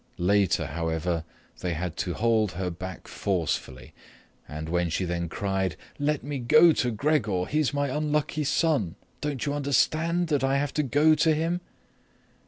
Later, however, they had to hold her back forcefully, and when she then cried "Let me go to Gregor. He's my unlucky son! Don't you understand that I have to go to him?"